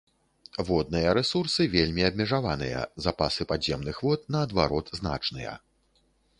Водныя рэсурсы вельмі абмежаваныя, запасы падземных вод наадварот значныя.